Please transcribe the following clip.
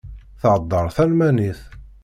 Theddeṛ talmanit.